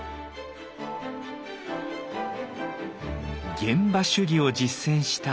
現場主義を実践した北斎。